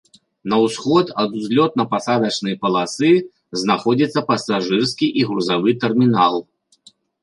На ўсход ад узлётна-пасадачнай паласы знаходзіцца пасажырскі і грузавы тэрмінал.